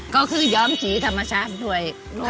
ก็คือย้อมสีธรรมชาติด้วย